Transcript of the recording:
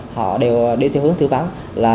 họ đều đi theo hướng thư vắng